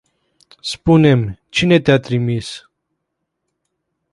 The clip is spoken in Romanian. Spune-mi, cine te-a trimis?